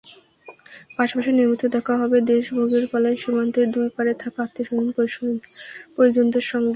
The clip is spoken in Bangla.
পাশাপাশি নিয়মিত দেখা হবে দেশভাগের ফলে সীমান্তের দুই পারে থাকা আত্মীয়স্বজন-পরিজনদের সঙ্গে।